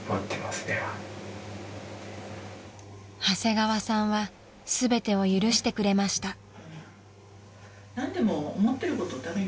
［長谷川さんは全てを許してくれました］